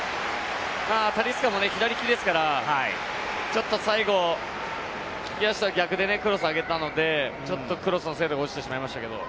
タリスカも左利きですからちょっと最後、利き足とは逆でクロスを上げたので、ちょっとクロスの精度が落ちてしまいましたね。